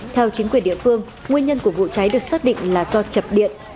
theo chính quyền địa phương nguyên nhân của vụ cháy được xác định là do chập điện